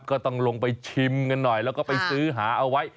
ก็ต้องลงไปชิมกันหน่อยแล้วก็ไปซื้อหาเอาไว้